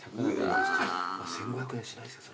１，５００円しないですよ